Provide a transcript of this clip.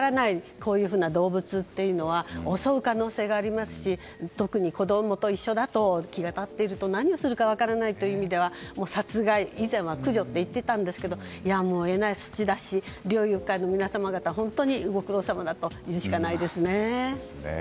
こういうふうな動物というのは襲う可能性がありますし特に子供と一緒で気が立っていると何をするか分からないという意味では殺害、以前は駆除と言っていたんですけどやむを得ないし猟友会の皆様方は本当にご苦労さまだと言うしかないですね。